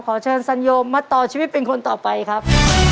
ขอเชิญสัญโยมมาต่อชีวิตเป็นคนต่อไปครับ